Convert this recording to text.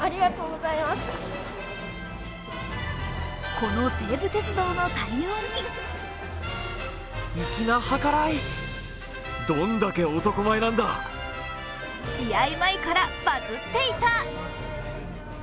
この西武鉄道の対応に試合前からバズっていた。